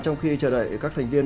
trong khi chờ đợi các thành viên